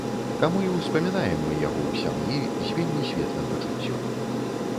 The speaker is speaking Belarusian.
Таму і ўспамінаем мы яго ў сям'і з вельмі светлым пачуццём.